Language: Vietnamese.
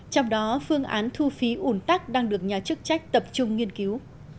trong đó phương án thu phí ủn tắc đang được nhà chức trách tập trung nghiên cứu